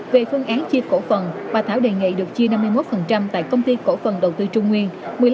về phương án chi cổ phần bà thảo đề nghị được chia năm mươi một tại công ty cổ phần đầu tư trung nguyên